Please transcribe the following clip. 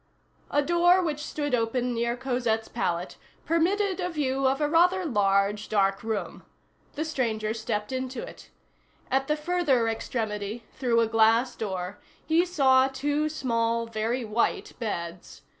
A door which stood open near Cosette's pallet permitted a view of a rather large, dark room. The stranger stepped into it. At the further extremity, through a glass door, he saw two small, very white beds.